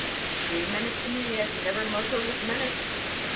She menaced me as never mortal was menaced.